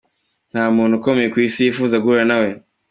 Nta muntu ukomeye ku Isi yifuza guhura na we.